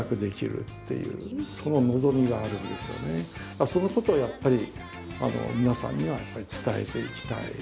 やっぱりそのことをやっぱり皆さんには伝えていきたい。